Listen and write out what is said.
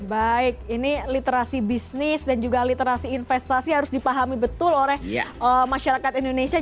baik ini literasi bisnis dan juga literasi investasi harus dipahami betul oleh masyarakat indonesia